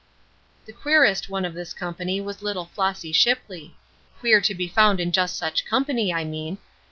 The queerest one of this company was little Flossy Shipley queer to be found in just such company, I mean.